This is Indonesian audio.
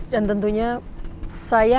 w messed up lagi ya